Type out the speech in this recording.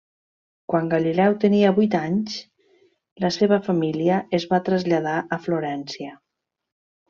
Quan Galileu tenia vuit anys la seva família es va traslladar a Florència.